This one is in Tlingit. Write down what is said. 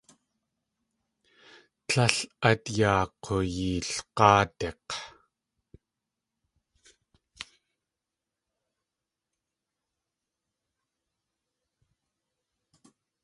Líl át yaa k̲uyeelg̲áadik̲!